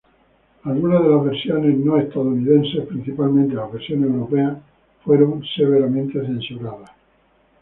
Algunas de las versiones No-estadounidenses, principalmente las versiones europeas fueron severamente censuradas.